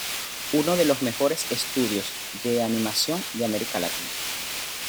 Uno de los mejores estudios de animación de America Latina.